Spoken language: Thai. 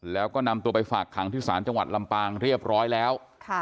แล้วก็นำตัวไปฝากขังที่ศาลจังหวัดลำปางเรียบร้อยแล้ว